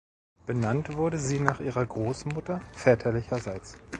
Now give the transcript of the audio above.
Benannt wurde sie nach ihrer Großmutter väterlicherseits.